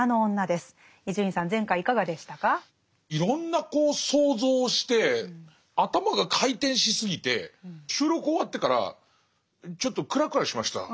いろんなこう想像をして頭が回転しすぎて収録終わってからちょっとクラクラしました。